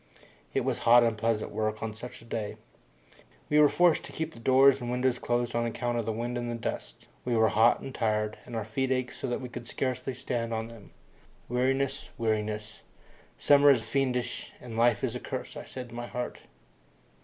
It was hot unpleasant work on such a day. We were forced to keep the doors and windows closed on account of the wind and dust. We were hot and tired, and our feet ached so that we could scarcely stand on them. Weariness! Weariness! Summer is fiendish and life is a curse, I said in my heart.